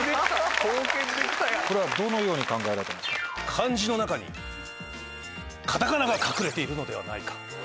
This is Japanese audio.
漢字の中にカタカナが隠れているのではないか。